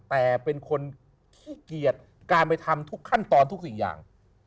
แต่เป็นคนขี้เกียจการไปทำทุกขั้นตอนทุกสิ่งอย่าง